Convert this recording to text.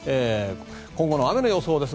今後の雨の予想です。